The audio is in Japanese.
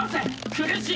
苦しい！